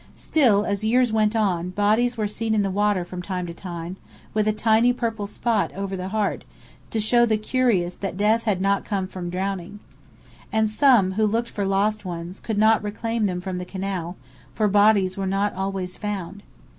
Still, as years went on, bodies were seen in the water from time to time, with a tiny purple spot over the heart to show the curious that death had not come from drowning. And some, who looked for lost ones, could not reclaim them from the canal, for bodies were not always found.